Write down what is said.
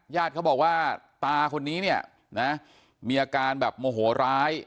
ญาติเขาบอกว่าตาคนนี้เนี่ยนะมีอาการแบบโมโหร้าย